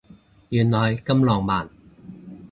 原來咁浪漫